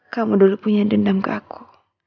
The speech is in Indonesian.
kamu dulu punya dendam ke aku